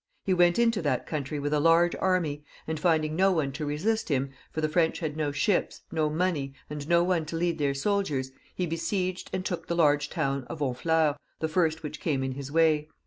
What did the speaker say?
He went into the country with a large army, and finding no one to resist him, for the French had no ships, no money, and no one to lead their soldiers, he besieged and took the large town of Honfleur, the first which came in his way.